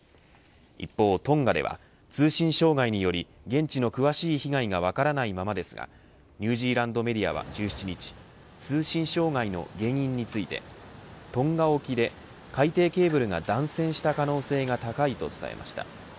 一方トンガでは通信障害により現地の詳しい被害が分からないままですがニュージランドメディアは１７日、通信障害の原因についてトンガ沖で海底ケーブルが断線した可能性が高いと伝えました。